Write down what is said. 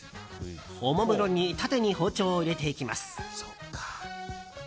おもむろに縦に包丁を入れていきます。